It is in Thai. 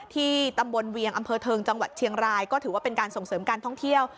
ที่ตำบลเวียงอำเภอเทิงจังหวัดเชียงรายก็ถือว่าเป็นการส่งเสริมการท่องเที่ยว